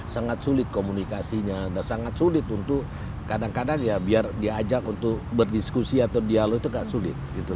sangat sulit komunikasinya dan sangat sulit untuk kadang kadang ya biar diajak untuk berdiskusi atau dialog itu agak sulit gitu